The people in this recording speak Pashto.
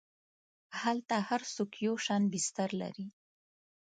هلته هر څوک یو شان بستر لري.